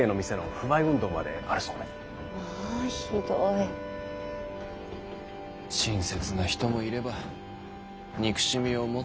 親切な人もいれば憎しみを持つ人もいる。